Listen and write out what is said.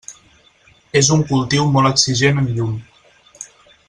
És un cultiu molt exigent en llum.